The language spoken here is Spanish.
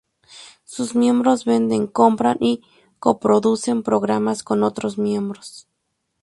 Sus miembros venden, compran y co-producen programas con otros miembros.